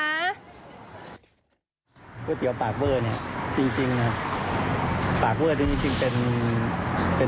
ก๋วยเตี๋ยวปากเวอร์เนี่ยจริงจริงนะครับปากเวอร์ที่จริงเป็นเป็น